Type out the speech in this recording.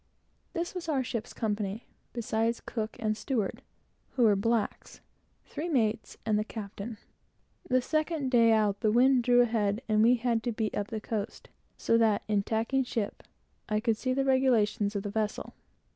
This was our ship's company, beside cook and steward, who were blacks, three mates, and the captain. The second day out, the wind drew ahead, and we had to beat up the coast; so that, in tacking ship, I could see the regulations of the vessel.